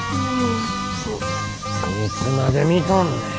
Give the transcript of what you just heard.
いつまで見とんねん。